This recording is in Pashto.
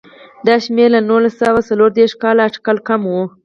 دا شمېر له نولس سوه څلور دېرش کال اټکل کم و.